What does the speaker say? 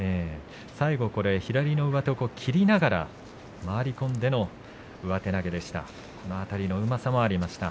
最後は左の上手を切りながら回り込んでの上手投げでした。